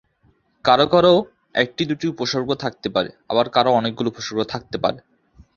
কারো কারো একটি দুটি উপসর্গ থাকতে পারে আবার কারো অনেকগুলো উপসর্গ থাকতে পারে।